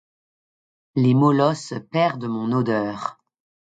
Les molosses perdent mon odeur.